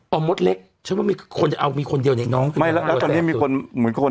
เอามดเล็กฉันว่ามีคนจะเอามีคนเดียวเนี่ยน้องไม่แล้วแล้วตอนนี้มีคนเหมือนคน